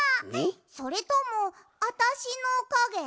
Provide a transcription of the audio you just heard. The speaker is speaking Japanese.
それともあたしのかげ？